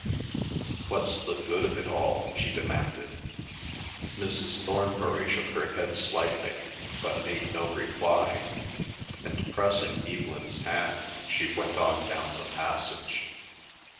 ..." "What's the good of it all?" she demanded. Mrs. Thornbury shook her head slightly but made no reply, and pressing Evelyn's hand she went on down the passage.